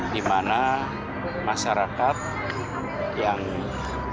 di mana masyarakat yang membutuhkan